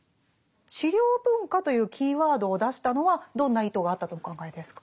「治療文化」というキーワードを出したのはどんな意図があったとお考えですか？